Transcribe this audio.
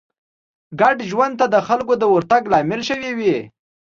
ګډ ژوند ته د خلکو د ورتګ لامل شوې وي